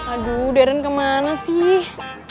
aduh darren kemana sih